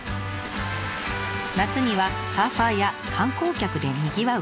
夏にはサーファーや観光客でにぎわう